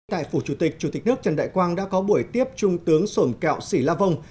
tại phủ chủ tịch chủ tịch nước trần đại quang đã có buổi tiếp trung tướng sổng kẹo sĩ la vong